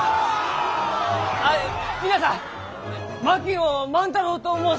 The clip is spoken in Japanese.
あ皆さん槙野万太郎と申します。